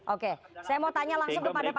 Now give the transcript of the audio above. oke saya mau tanya langsung kepada pak